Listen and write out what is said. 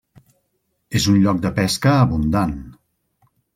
És un lloc de pesca abundant.